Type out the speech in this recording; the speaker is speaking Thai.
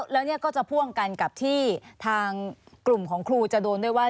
แล้วเนี่ยก็จะพ่วงกันกับที่ทางกลุ่มของครูจะโดนด้วยว่า